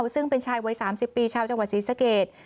ซึ่งเป็นชายวัย๓๐ปีชาวจังหวัดศรีสเกต